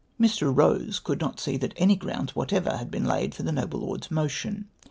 " Mr. Eose could not see that any grounds whatever had lieen laid for the noble lord's motiijn.